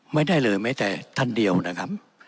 ไม่ได้เลยแม้แต่ท่านเดียวนะครับ